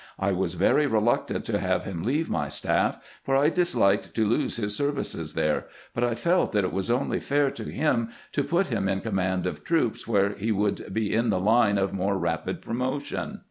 I was very re luctant to have him leave my staff, for I disliked to lose his services there, but I felt that it was only fair to him to put him in command of troops where he would be in the line of more rapid promotion.